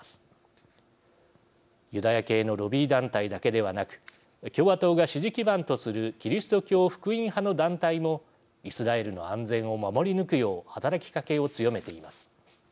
ユダヤ系のロビー団体だけではなく共和党が支持基盤とするキリスト教福音派の団体もイスラエルの安全を守り抜くよう働きかけを強めています。